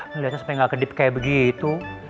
ngeliatnya sampai gak kedip kayak begitu